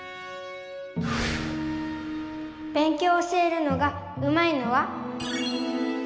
べん強教えるのがうまいのは？